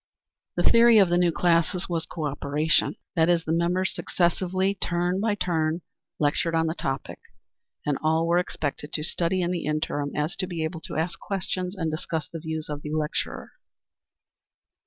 The theory of the new classes was co operation. That is, the members successively, turn by turn, lectured on the topic, and all were expected to study in the interim so as to be able to ask questions and discuss the views of the lecturer.